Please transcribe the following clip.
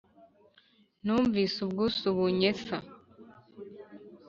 nunvise ubwuzu bunyesa